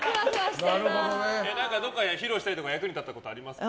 どこかで披露したりとか役に立ったことありますか？